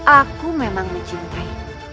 aku memang mencintai